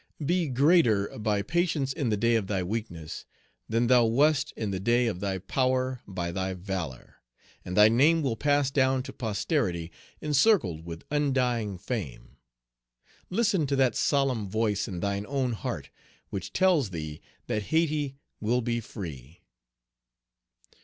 Be greater, by patience in the day of thy weakness, than thou wast in the day of thy power by thy valor; and thy name will pass down to posterity, encircled with undying fame. Listen to that solemn voice in thine own heart which tells thee that Hayti will be free.